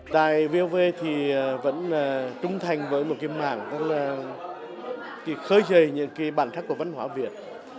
tại vov thì vẫn trung thành với một cái mạng khơi trời những cái bản thất của văn hóa việt